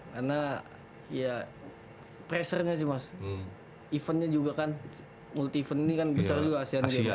karena ya pressure nya sih mas eventnya juga kan multi event ini kan besar juga asia